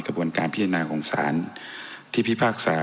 ท่านจะวินิจฉัยมานั้นนะครับซึ่ง